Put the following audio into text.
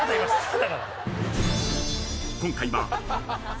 ［今回は］